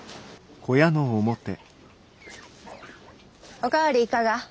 お代わりいかが？